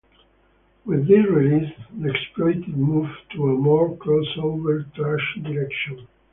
With this release, The Exploited moved to a more crossover thrash direction.